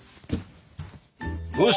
よし！